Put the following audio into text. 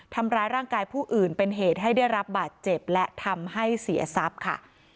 ทำร้ายร่างกายผู้อื่นเป็นเหตุให้ได้รับบาดเจ็บและทำให้เสียทรัพย์ค่ะ